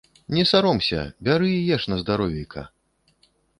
Не саромся, бяры і еш на здаровейка!